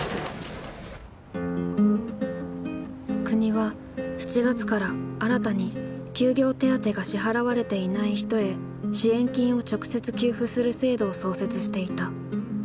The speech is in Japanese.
国は７月から新たに休業手当が支払われていない人へ支援金を直接給付する制度を創設していた。